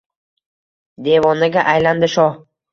Devonaga aylandi shoh